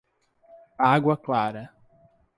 Água Clara